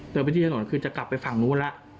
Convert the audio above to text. เดินไปที่ถนนคือจะกลับไปฝั่งนู้นล่ะ